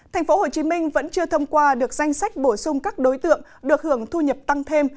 thành phố hồ chí minh vẫn chưa thông qua được danh sách bổ sung các đối tượng được hưởng thu nhập tăng thêm